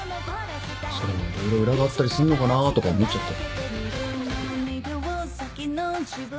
それも色々裏があったりすんのかなぁとか思っちゃって。